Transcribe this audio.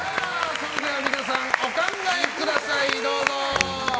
それでは皆さんお考えください。